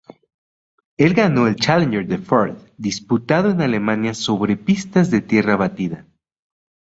El ganó el Challenger de Fürth disputado en Alemania sobre pistas de tierra batida.